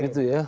oh gitu ya